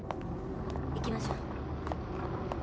行きましょう。